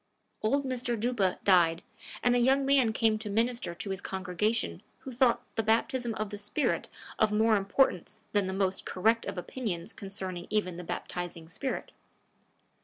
Old Mr. Duppa died, and a young man came to minister to his congregation who thought the baptism of the spirit of more importance than the most correct of opinions concerning even the baptizing spirit.